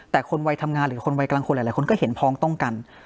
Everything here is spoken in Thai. แต่คนวัยทำงานหรือคนวัยกลางคนหลายคนก็เห็นพ้องต้องกัน